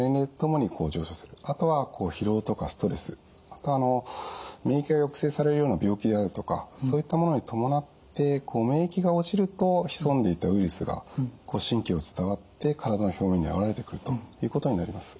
あと免疫が抑制されるような病気であるとかそういったものに伴って免疫が落ちると潜んでいたウイルスが神経を伝わって体の表面に現れてくるということになります。